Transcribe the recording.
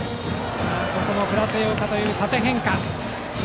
振らせようかという縦変化。